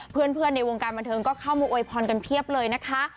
เพื่อนในวงการบันเทิงก็เข้ามาโวยพรกันเพียบเลยนะคะ